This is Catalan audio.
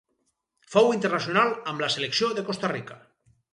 Fou internacional amb la selecció de Costa Rica.